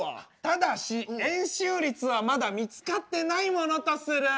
ただし円周率はまだ見つかってないものとする。